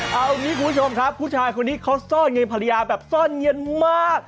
เอางี้คุณผู้ชมครับผู้ชายคนนี้เขาซ่อนเงินภรรยาแบบซ่อนเย็นมาก